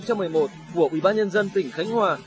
của ubnd tỉnh khánh hòa